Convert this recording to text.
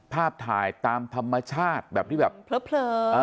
ภาพถ่ายตามธรรมชาติแบบที่แบบเผลอ